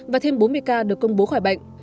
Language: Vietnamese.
và thêm bốn mươi ca được công bố khỏi bệnh